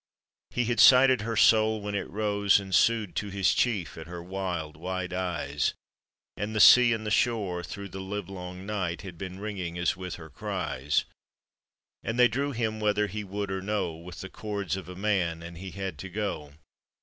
He had sighted her soul when it rose and sued To his chief at her wild, wide eyes; And the sea and the shore through the live long night Had been ringing as with her cries; And they drew him whether hs would or no With the cords of a man, and he had to go.